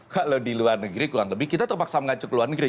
kalau di luar negeri kurang lebih kita terpaksa mengacu ke luar negeri